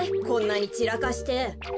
こんなにちらかして。